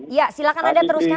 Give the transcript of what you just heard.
iya silakan anda teruskan